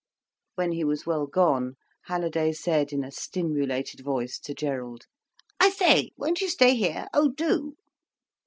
When he was well gone, Halliday said in a stimulated voice, to Gerald: "I say, won't you stay here—oh do!"